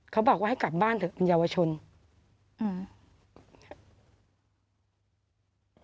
เขาบอกว่าให้กลับบ้านเถอะคุณเยาวชนอืม